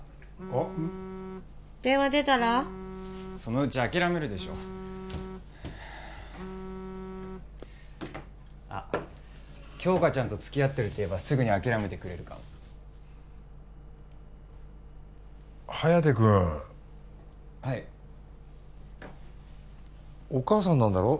ああうん電話出たらそのうち諦めるでしょあっ杏花ちゃんとつきあってるって言えばすぐに諦めてくれるかも颯君はいお母さんなんだろ？